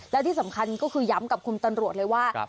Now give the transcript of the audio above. และที่สำคัญก็คือย้ำกับคุณตำรวจเลยว่า